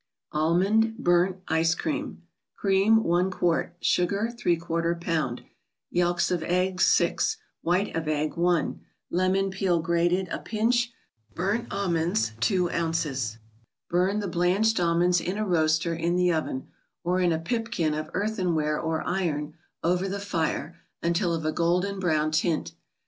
aimottn ("Burnt) 3|ce<Cteatu. Cream, i qt.; Sugar, lb.; Yelks of Eggs, 6; White of Egg, i; Lemon peel, grated, a pinch ; Burnt Almonds, 2 oz. " Bum " the blanched almonds in a roaster, in the oven ; or in a pipkin of earthenware or iron, over the fire, until of a golden brown tint.